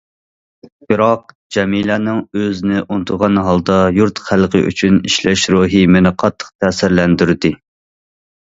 بىراق، جەمىلەنىڭ ئۆزىنى ئۇنتۇغان ھالدا يۇرت خەلقى ئۈچۈن ئىشلەش روھى مېنى قاتتىق تەسىرلەندۈردى.